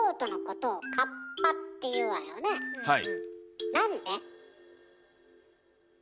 はい。